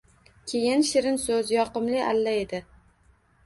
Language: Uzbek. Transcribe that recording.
Keyin shirin soʻz, yoqimli alla edi.